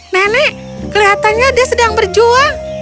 nenek kelihatannya dia sedang berjuang